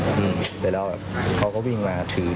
ไปแล้วเขาก็วิ่งมาถือไม้